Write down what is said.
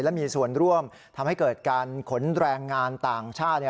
และมีส่วนร่วมทำให้เกิดการขนแรงงานต่างชาติ